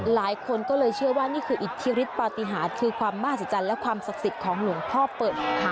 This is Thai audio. หลายคนก็เลยเชื่อว่านี่คืออิทธิฤทธปฏิหารคือความมหัศจรรย์และความศักดิ์สิทธิ์ของหลวงพ่อเปิ่นค่ะ